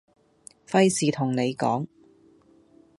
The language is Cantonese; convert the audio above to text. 費事同你講